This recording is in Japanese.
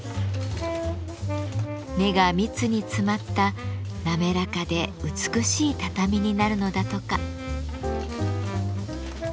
目が密に詰まった滑らかで美しい畳になるのだとか。